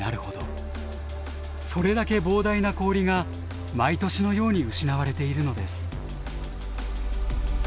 それだけ膨大な氷が毎年のように失われているのです。